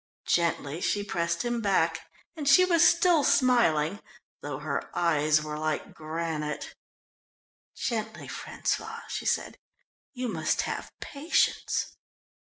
Gently she pressed him back and she was still smiling, though her eyes were like granite. "Gently, François," she said, "you must have patience!"